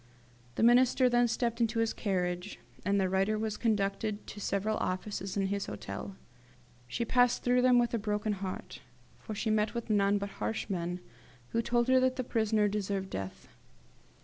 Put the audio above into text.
The Minister then stepped into his carriage, and the writer was conducted to several offices in his hotel. She passed through them with a broken heart, for she met with none but harsh men, who told her that the prisoner deserved death.